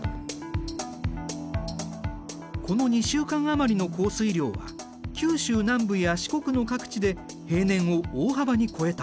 この２週間余りの降水量は九州南部や四国の各地で平年を大幅に超えた。